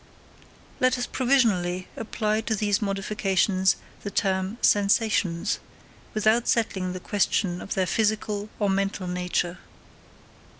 Let us provisionally apply to these modifications the term sensations, without settling the question of their physical or mental nature.